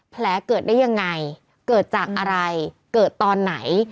แผลเกิดได้ยังไงเกิดจากอะไรเกิดตอนไหน